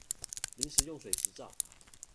臨時用水執照